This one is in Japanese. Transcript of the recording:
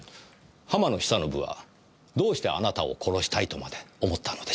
浜野久信はどうしてあなたを殺したいとまで思ったのでしょう？